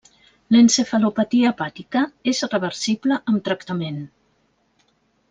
L'encefalopatia hepàtica és reversible amb tractament.